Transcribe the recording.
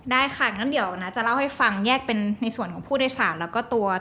ได้ค่ะงั้นเดี๋ยวนะจะเล่าให้ฟังแยกเป็นในส่วนของผู้โดยสารแล้วก็ตัว